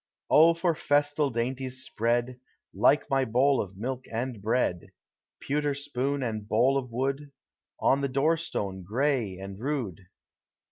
O for festal dainties spread. Like my bowl of milk and bread,— Pewter spoon and bowl of wood. On the door stone, gray and rude!